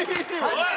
おい！